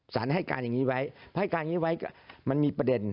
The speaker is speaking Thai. ให้การอย่างนี้ไว้ให้การอย่างนี้ไว้ก็มันมีประเด็น